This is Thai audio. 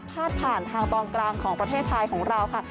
พาดผ่านทางตอนกลางของประเทศไทยของเราค่ะ